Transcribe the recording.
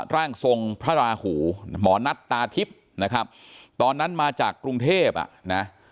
ร่างทรงพระราหูหมอนัทตาทิพย์นะครับตอนนั้นมาจากกรุงเทพอ่ะนะ